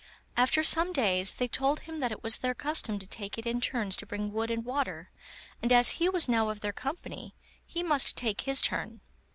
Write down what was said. After some days they told him that it was their custom to take it in turns to bring wood and water, and as he was now of their company, he must take his turn.